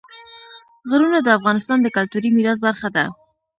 غرونه د افغانستان د کلتوري میراث برخه ده.